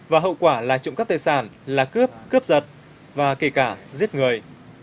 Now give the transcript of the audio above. và hậu quả là trụng cấp tài sản là cướp cướp giật và kể cả giết người